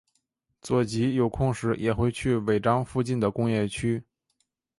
佐吉有空时也会去尾张附近的工业区。